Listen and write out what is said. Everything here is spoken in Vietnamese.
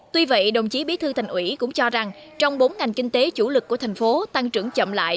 tuy vậy đồng chí bí thư thành ủy cũng cho rằng trong bốn ngành kinh tế chủ lực của thành phố tăng trưởng chậm lại